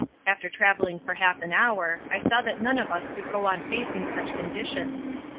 After travelling for half an hour I saw that none of us could go on facing such conditions.